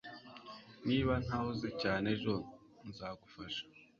Niba ntahuze cyane ejo nzagufasha